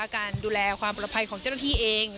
การดูแลความปลอดภัยของเจ้าหน้าที่เอง